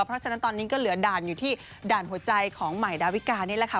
เพราะฉะนั้นตอนนี้ก็เหลือด่านอยู่ที่ด่านหัวใจของใหม่ดาวิกานี่แหละค่ะ